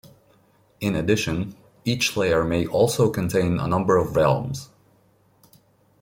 In addition, each layer may also contain a number of "realms".